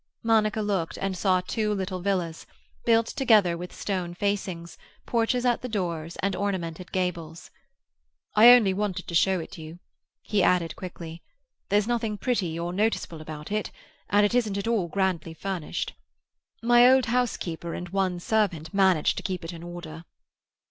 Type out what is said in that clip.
Monica looked, and saw two little villas, built together with stone facings, porches at the doors and ornamented gables. "I only wanted to show it you," he added quickly. "There's nothing pretty or noticeable about it, and it isn't at all grandly furnished. My old housekeeper and one servant manage to keep it in order."